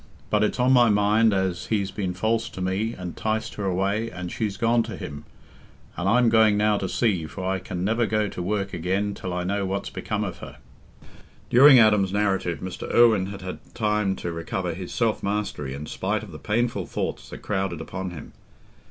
But it's on my mind as he's been false to me, and 'ticed her away, and she's gone to him—and I'm going now to see, for I can never go to work again till I know what's become of her." During Adam's narrative, Mr. Irwine had had time to recover his self mastery in spite of the painful thoughts that crowded upon him.